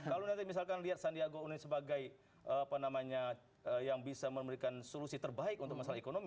kalau nanti misalkan lihat sandiaga uno sebagai apa namanya yang bisa memberikan solusi terbaik untuk masalah ekonomi